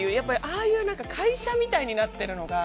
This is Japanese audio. ああいう会社みたいになっているのが。